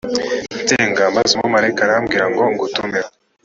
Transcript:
nsenga maze umumarayika arambwira ngo ngutumeho